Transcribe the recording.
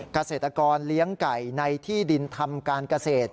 เกษตรกรเลี้ยงไก่ในที่ดินทำการเกษตร